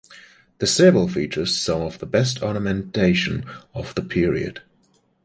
The sebil features some of the best ornamentation of the period.